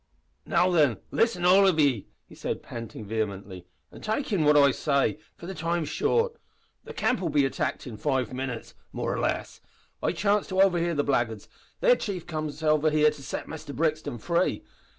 "Now, then, listen, all of ye," he said, panting vehemently, "an' take in what I say, for the time's short. The camp'll be attacked in five minits more or less. I chanced to overhear the blackguards. Their chief comes here to set Muster Brixton free.